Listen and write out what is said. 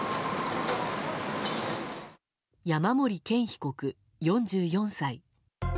山森健被告、４４歳。